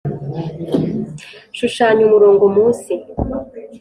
shushanya umurongo munsi